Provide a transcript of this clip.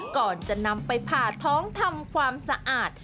ก่อนจะนำไปผ่าท้องทำความสะอาด